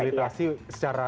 jadi difasilitasi secara